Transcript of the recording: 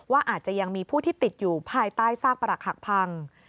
อาจจะยังมีผู้ที่ติดอยู่ภายใต้ซากปรักหักพัง